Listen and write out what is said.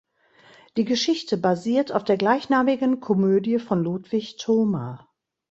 Die Geschichte basiert auf der gleichnamigen Komödie von Ludwig Thoma.